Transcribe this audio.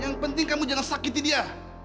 yang penting kamu jangan sakiti dia